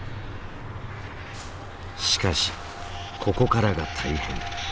しかしここからが大変。